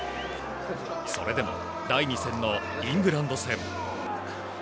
それでも第２戦のイングランド戦。